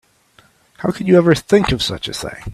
How could you ever think of such a thing?